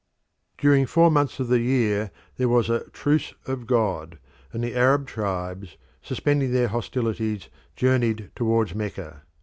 Mecca During four months of the year there was a Truce of God, and the Arab tribes, suspending their hostilities, journeyed towards Mecca.